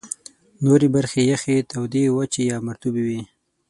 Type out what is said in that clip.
نورې برخې یخي، تودې، وچي یا مرطوبې وې.